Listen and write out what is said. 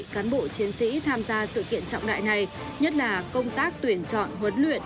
cán bộ chiến sĩ tham gia sự kiện trọng đại này nhất là công tác tuyển chọn huấn luyện